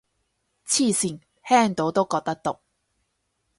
黐線，聽到都覺得毒